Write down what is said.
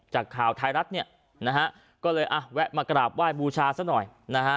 จากข่าวไทยรัฐเนี่ยนะฮะก็เลยอ่ะแวะมากราบไหว้บูชาซะหน่อยนะฮะ